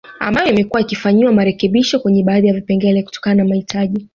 Ambayo imekuwa ikifanyiwa marekebisho kwenye baadhi ya vipengele kutokana na mahitaji